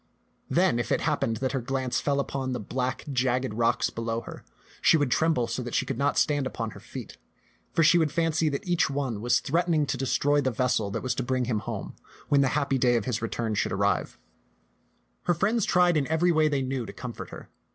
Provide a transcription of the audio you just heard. Then if it happened that her glance fell upon the black, jagged rocks below her, she would tremble so that she could not stand upon her feet; for she would fancy that each one was threatening to destroy the vessel that was to bring him home, when the happy day of his return should arrive. 1 88 t^t panUin'B tak Her friends tried in every way they knew to com fort her.